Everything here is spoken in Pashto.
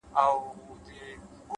بریالي خلک له ماتې درس اخلي،